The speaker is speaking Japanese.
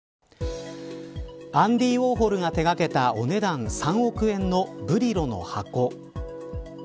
アンディ・ウォーホルが手がけたお値段３億円のブリロの箱。